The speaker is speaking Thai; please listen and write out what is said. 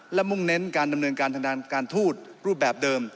และมุ่งเน้นการดำเนินการทางด้านการทูตรูปแบบเดิม